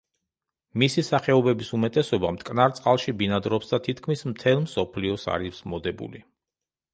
მისი სახეობების უმეტესობა მტკნარ წყალში ბინადრობს და თითქმის მთელ მსოფლიოს არის მოდებული.